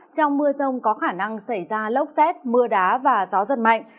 trong mưa rông có khả năng xảy ra lốc xét mưa đá và gió giật mạnh